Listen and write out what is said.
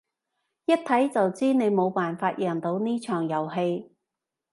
一睇就知你冇辦法贏到呢場遊戲